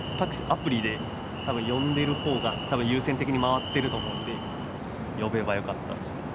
アプリで呼んでいるほうが多分優先的に回っていると思うので呼べば良かったですね。